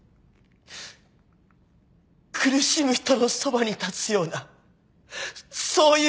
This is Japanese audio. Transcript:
苦しむ人のそばに立つようなそういう警察官に。